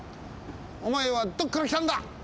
おまえはどっからきたんだ？